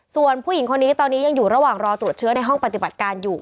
ส่วนผู้หญิงคนนี้ตอนนี้ยังอยู่ระหว่างรอตรวจเชื้อในห้องปฏิบัติการอยู่